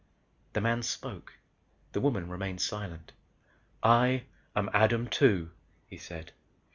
The man spoke, the woman remained silent. "I am Adam Two," he said.